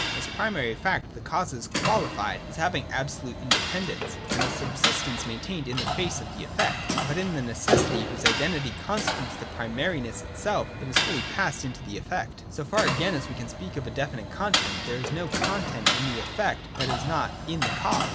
As primary fact, the cause is qualified as having absolute independence and a subsistence maintained in face of the effect : but in the necessity, whose identity I53 ] CAUSE AND EFFECT. 277 constitutes that primariness itself, it is wholly passed into the effect. So far again as we can speak of a definite content, there is no content in the effect that is not in the cause.